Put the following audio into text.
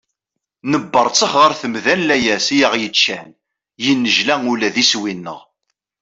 Nebberttex ɣer temda n layas i aɣ-yeččan, yennejla ula d iswi-nneɣ.